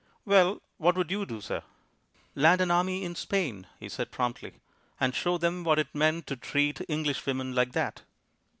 "Well, what would you do, sir?" "Land an army in Spain," he said promptly, "and show them what it meant to treat English women like that."